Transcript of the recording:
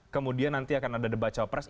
kemudian nanti akan ada debaca press